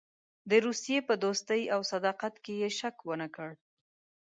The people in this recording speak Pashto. د روسیې په دوستۍ او صداقت کې یې شک ونه کړ.